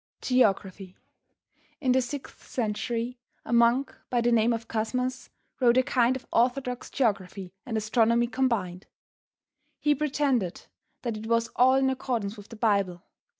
GEOGRAPHY. IN the 6th century a monk by the name of Cosmas wrote a kind of orthodox geography and astronomy combined. He pretended that it was all in accordance with the Bible.